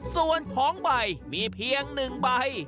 ส่วนของใบมีเพียง๑ใบ